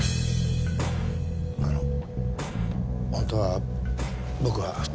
あの本当は僕は。